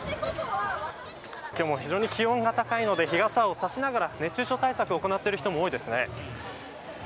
今日も非常に気温が高いので日傘をさしながら熱中症対策を行っている人も多いですね。